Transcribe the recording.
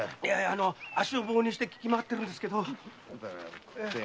あの足を棒にして聞きまわってるんですけど。